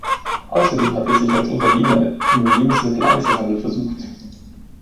Außerdem hat er sich als Unternehmer im Lebensmitteleinzelhandel versucht.